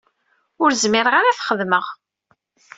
Ur zmireɣ ara ad t-xedmeɣ.